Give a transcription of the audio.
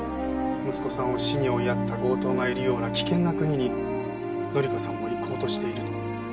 息子さんを死に追いやった強盗がいるような危険な国に紀香さんも行こうとしていると。